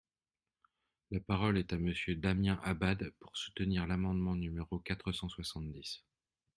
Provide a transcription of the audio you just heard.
La parole est à Monsieur Damien Abad, pour soutenir l’amendement numéro quatre cent soixante-dix.